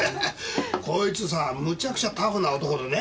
こいつさむちゃくちゃタフな男でね。